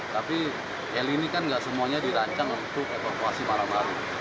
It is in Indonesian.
tapi heli ini kan tidak semuanya dirancang untuk evakuasi malam hari